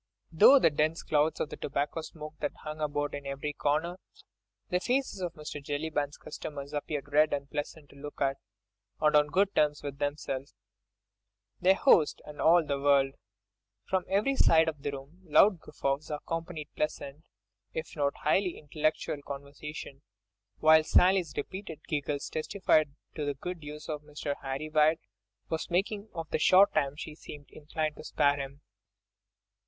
Through the dense clouds of tobacco smoke that hung about in every corner, the faces of Mr. Jellyband's customers appeared red and pleasant to look at, and on good terms with themselves, their host and all the world; from every side of the room loud guffaws accompanied pleasant, if not highly intellectual, conversation—while Sally's repeated giggles testified to the good use Mr. Harry Waite was making of the short time she seemed inclined to spare him.